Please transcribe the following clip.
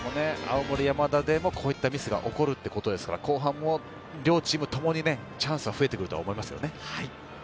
青森山田でも、こういったミスが起きるということですから、後半も両チームともにチャンスが増えてくると思います。